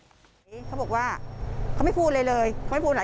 มีคนก็กดทิ้งเพราะวันต่อมาก็ติดต่อไม่ได้เลย